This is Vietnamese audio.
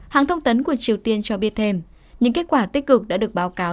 hãng thông tấn của triều tiên cho biết thêm những kết quả tích cực đã được báo cáo